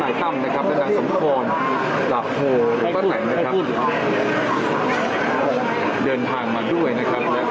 เดินทางมาด้วยนะครับและก็เข้าไปภายใน